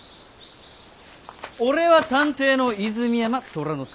俺は探偵の泉山虎之介。